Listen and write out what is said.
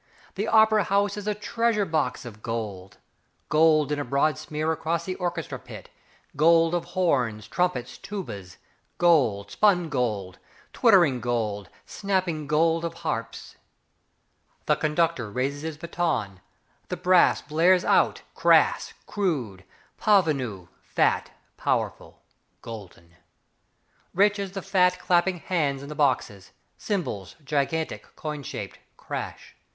The opera house is a treasure box of gold. Gold in a broad smear across the orchestra pit: Gold of horns, trumpets, tubas; Gold spun gold, twittering gold, snapping gold Of harps. The conductor raises his baton, The brass blares out Crass, crude, Parvenu, fat, powerful, Golden. Rich as the fat, clapping hands in the boxes. Cymbals, gigantic, coin shaped, Crash.